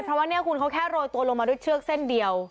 เพราะว่าเนี่ยคุณเขาแค่โรยตัวลงมาด้วยเชือกเส้นเดียว